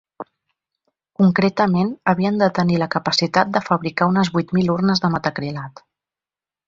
Concretament, havien de tenir la capacitat de fabricar unes vuit mil urnes de metacrilat.